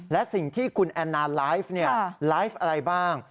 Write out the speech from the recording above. และสิ่งที่คุณแอนนาไลฟ์ไลฟ์อะไรบ้าง